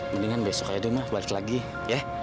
mendingan besok aja deh mah balik lagi ya